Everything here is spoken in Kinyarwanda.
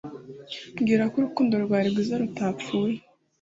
Mbwira ko urukundo rwawe rwiza rutapfuye